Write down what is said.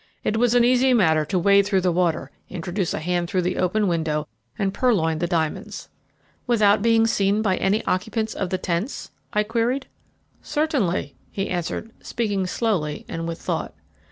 It was an easy matter to wade through the water, introduce a hand through the open window and purloin the diamonds." "Without being seen by any occupants of the tents?" I queried. "Certainly," he answered, speaking slowly and with thought.